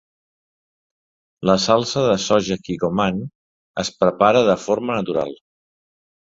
La salsa de soja kikkoman es prepara de forma natural.